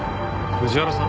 「藤原さん！